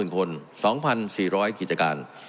๒๒๐๐๐๐คน๒๔๐๐กิจการ